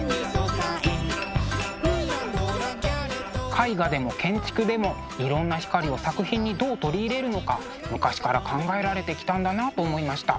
絵画でも建築でもいろんな光を作品にどう取り入れるのか昔から考えられてきたんだなと思いました。